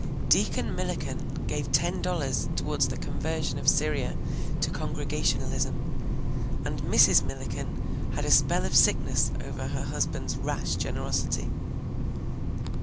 Deacon Milliken gave ten dollars towards the conversion of Syria to Congregationalism, and Mrs. Milliken had a spell of sickness over her husband's rash generosity.